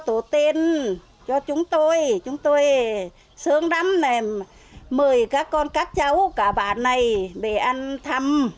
chúng tôi cũng bui bây giờ cũng cho tổ tên chúng tôi sớm lắm mời các con các cháu cả bạn này ăn thăm